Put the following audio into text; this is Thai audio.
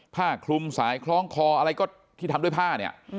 ผ้าคลุมสายคล้องคออะไรก็ที่ทำด้วยผ้าเนี่ย